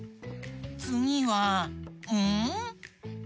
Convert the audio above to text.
つぎは「ん」？